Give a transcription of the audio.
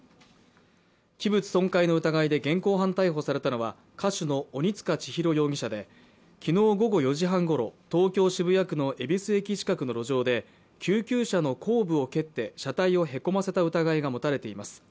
器物損壊の疑いで現行犯逮捕されたのは歌手の鬼束ちひろ容疑者で、昨日午後４時半ごろ東京・渋谷区の恵比寿駅近くの路上で救急車の後部を蹴って車体をへこませた疑いが持たれています。